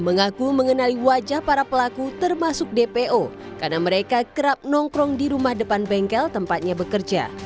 mengaku mengenali wajah para pelaku termasuk dpo karena mereka kerap nongkrong di rumah depan bengkel tempatnya bekerja